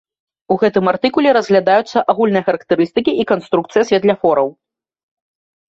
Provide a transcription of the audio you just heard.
У гэтым артыкуле разглядаюцца агульныя характарыстыкі і канструкцыя святлафораў.